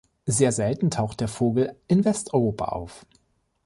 Sehr selten taucht der Vogel in Westeuropa auf.